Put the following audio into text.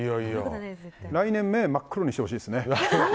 来年目、真っ黒にしてほしいですね。